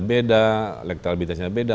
beda elektribitasnya beda